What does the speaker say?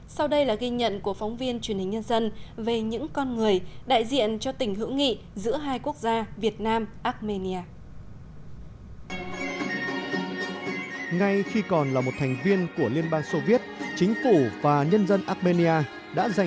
sau đây là ghi nhận của phóng viên truyền hình nhân dân về những con người đại diện cho tình hữu nghị giữa hai quốc gia việt nam armenia